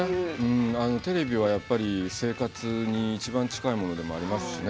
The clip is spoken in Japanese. テレビはやっぱり生活に一番近いものでもありますしね。